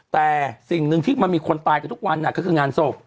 แต่สิ่งหนึ่งที่มันมีคนตายกันทุกวันก็คืองานศพ